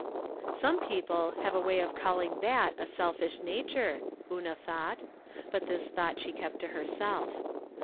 Some people have a way of calling that a sel fish nature, Una thought ; but this thought she kept to herself.